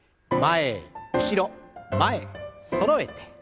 前後ろ前そろえて。